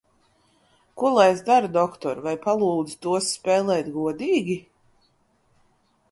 Ko lai es daru, doktor, vai palūdzu tos spēlēt godīgi?